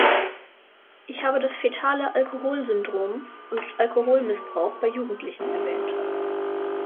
Ich habe das fetale Alkoholsyndrom und Alkoholmissbrauch bei Jugendlichen erwähnt.